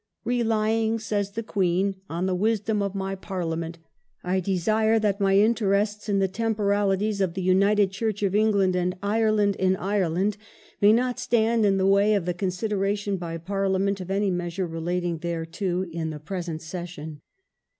*' Relying," says the Queen, " on the wisdom of my Parlia ment, I desire that my interests in the Temporalities of the United Church of England and Ireland in Ireland may not stand in the way of the consideration by Parliament of any measure relating thereto in the present session.''